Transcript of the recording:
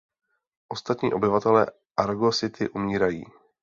Ostatní obyvatelé Argo City umírají.